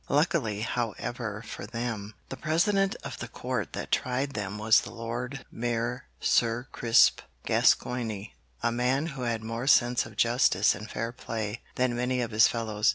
Luckily, however, for them, the president of the court that tried them was the Lord Mayor Sir Crispe Gascoigne, a man who had more sense of justice and fair play than many of his fellows.